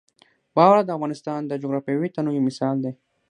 واوره د افغانستان د جغرافیوي تنوع یو مثال دی.